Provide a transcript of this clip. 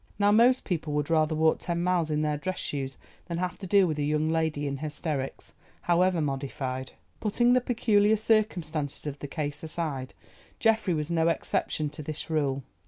Now most people would rather walk ten miles in their dress shoes than have to deal with a young lady in hysterics, however modified. Putting the peculiar circumstances of the case aside, Geoffrey was no exception to this rule.